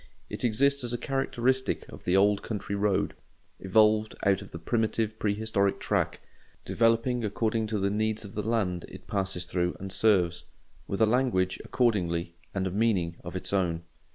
It exists as a characteristic of the old country road, evolved out of the primitive prehistoric track, developing according to the needs of the land it passes through and serves: with a language, accordingly, and a meaning of its own.